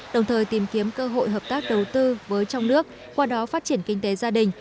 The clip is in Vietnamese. đồng thời tìm kiếm cơ hội hợp tác đầu tư với trong nước qua đó phát triển kinh tế gia đình